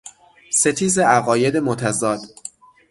ستیز عقاید متضاد